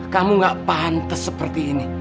kamu gak pantas seperti ini